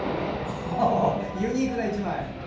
ユニークな１枚。